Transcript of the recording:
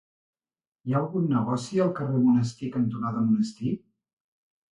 Hi ha algun negoci al carrer Monestir cantonada Monestir?